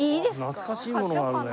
懐かしいものがあるね。